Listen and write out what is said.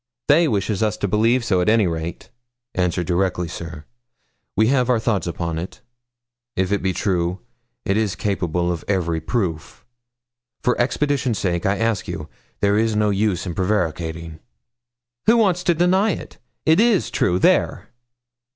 'They wishes us to believe so, at any rate.' 'Answer directly, sir. We have our thoughts upon it. If it be true, it is capable of every proof. For expedition's sake I ask you. There is no use in prevaricating.' 'Who wants to deny it? It is true there!'